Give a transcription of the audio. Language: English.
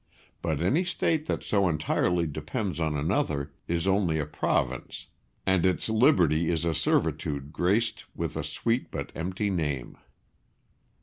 But any State that so entirely depends on another is only a province, and its liberty is a servitude graced with a sweet but empty name.